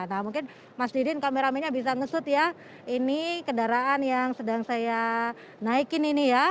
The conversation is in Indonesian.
nah mungkin mas didin kameramennya bisa ngesut ya ini kendaraan yang sedang saya naikin ini ya